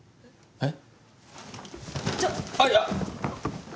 えっ？